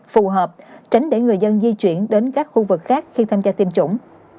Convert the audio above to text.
phù hợp tránh để người dân di chuyển đến các khu vực khác khi tham gia tiêm chủng